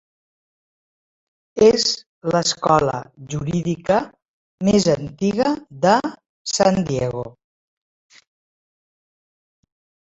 És l'escola jurídica més antiga de San Diego.